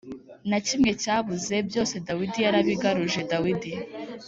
Na Kimwe Cyabuze Byose Dawidi Yarabigaruje Dawidi